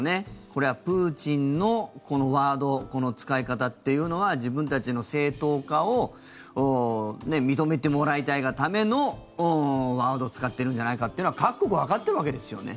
これはプーチンのこのワードこの使い方というのは自分たちの正当化を認めてもらいたいがためのワードを使っているんじゃないかというのは各国わかっているわけですよね。